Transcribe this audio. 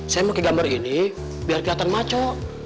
saya pakai gambar ini biar kelihatan maco